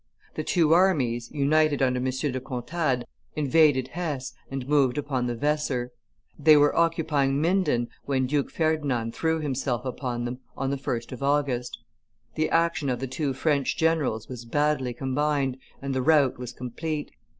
The two armies, united under M. de Contades, invaded Hesse and moved upon the Weser; they were occupying Minden when Duke Ferdinand threw himself upon them on the 1st of August. The action of the two French generals was badly combined, and the rout was complete.